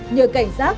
nhờ cảnh sát